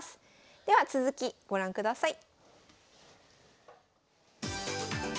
では続きご覧ください。